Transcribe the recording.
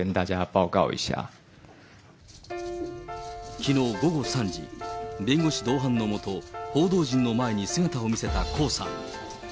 きのう午後３時、弁護士同伴のもと、報道陣の前に姿を見せた江さん。